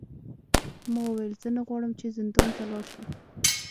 ما وویل زه نه غواړم چې زندان ته لاړ شم.